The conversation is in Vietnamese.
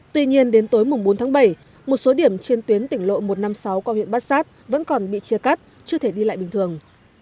tuy nhiên đến tối bốn tháng bảy một số điểm trên tuyến tỉnh lộ một trăm năm mươi sáu qua huyện bát sát vẫn còn bị chia cắt chưa thể đi lại bình thường